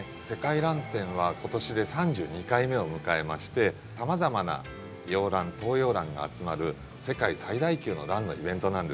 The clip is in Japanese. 「世界らん展」は今年で３２回目を迎えましてさまざまな洋ラン東洋ランが集まる世界最大級のランのイベントなんです。